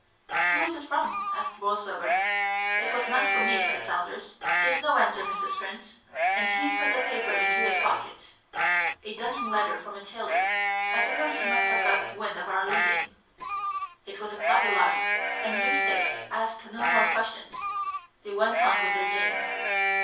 "Who is it from?" asked Borlsover. "It was meant for me," said Saunders. "There's no answer, Mrs. Prince," and he put the paper into his pocket. "A dunning letter from a tailor; I suppose he must have got wind of our leaving." It was a clever lie, and Eustace asked no more questions. They went on with their game.